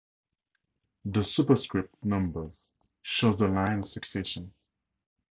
The superscript numbers show the line of succession.